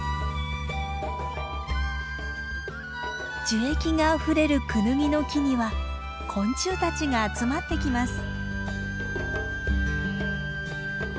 樹液があふれるクヌギの木には昆虫たちが集まってきます。